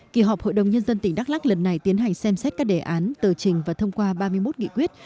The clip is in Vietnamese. kỳ họp hội đồng nhân dân tỉnh đắk lắc lần này tiến hành xem xét các đề án tờ trình và thông qua ba mươi một nghị quyết